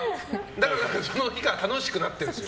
だからその日が楽しくなってるんです。